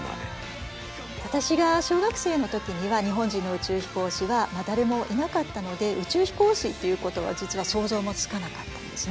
わたしが小学生の時には日本人の宇宙飛行士は誰もいなかったので宇宙飛行士っていうことは実は想像もつかなかったんですね。